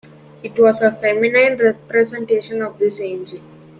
It was a feminine representation of this angel.